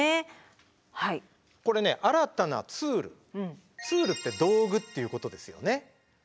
これね新たなツール「ツール」って道具っていうことですよね。